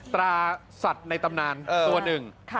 ตราสัตว์ในตำนานตัวหนึ่ง